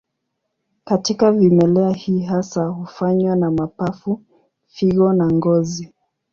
Katika vimelea hii hasa hufanywa na mapafu, figo na ngozi.